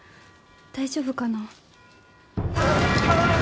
大丈夫かな？